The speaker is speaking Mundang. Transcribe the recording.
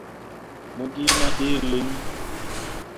Mo gi nah ɗǝǝ lǝŋ.